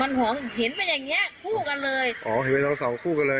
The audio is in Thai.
มันเห็นเป็นอย่างเนี้ยคู่กันเลยอ๋อเห็นเป็นทั้งสองคู่กันเลย